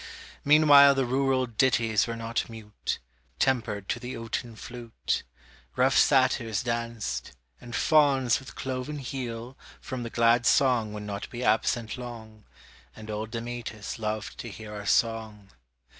Meanwhile the rural ditties were not mute, Tempered to the oaten flute; Rough satyrs danced, and fauns with cloven heel From the glad song would not be absent long, And old Damætas loved to hear our song.